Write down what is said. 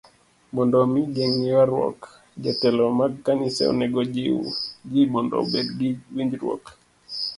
Mondo omi ogeng' ywaruok, jotelo mag kanise onego ojiw ji mondo obed gi winjruok.